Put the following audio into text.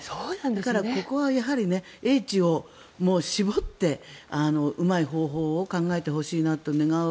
だから、ここはやはり英知を絞ってうまい方法を考えてほしいと願う。